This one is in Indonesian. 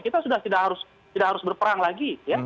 kita sudah tidak harus berperang lagi